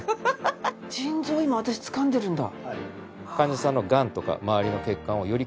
腎臓を今私つかんでるんだ。